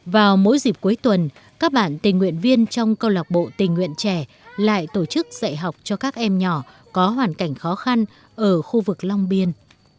vào mỗi dịp cuối tuần các bạn tình nguyện viên trong câu lạc bộ tình nguyện trẻ lại tổ chức dạy học cho các em nhỏ có hoàn cảnh khó khăn ở khu vực long biên